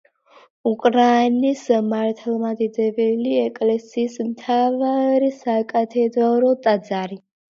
უკრაინის მართლმადიდებელი ეკლესიის მთავარი საკათედრო ტაძარი.